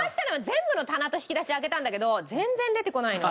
全部の棚と引き出し開けたんだけど全然出てこないの。